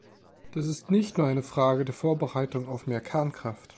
Das ist nicht nur eine Frage der Vorbereitung auf mehr Kernkraft.